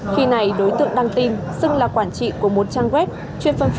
khi này đối tượng đăng tin xưng là quản trị của một trang web chuyên phân phối